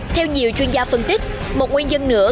theo nhiều chuyên gia phân tích một nguyên nhân nữa